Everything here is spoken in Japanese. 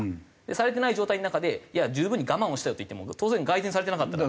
されてない状態の中で十分に我慢をしたよって言っても当然改善されてなかったら。